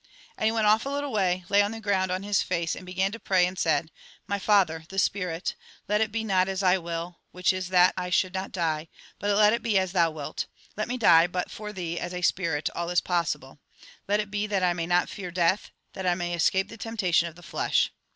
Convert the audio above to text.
And he went off a little way, lay on the ground on his face, and began to pray, and said :" My Father, the Spirit ! Let it be not as I will, which is that I should not die, but let it be as Thou wilt. Let me die, but for Thee, as a spirit, all is possible ; let it be that I may not fear death, that I may escape the temptation of the flesh."